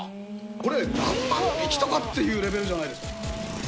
これ、何万匹とかっていうレベルじゃないです。